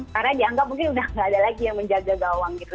karena dianggap mungkin udah nggak ada lagi yang menjaga gawang gitu